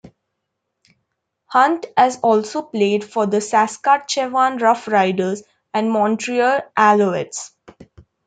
Hunt has also played for the Saskatchewan Roughriders and Montreal Alouettes.